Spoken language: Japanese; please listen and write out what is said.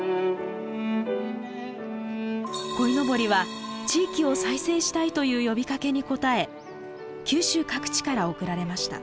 鯉のぼりは地域を再生したいという呼びかけに応え九州各地から贈られました。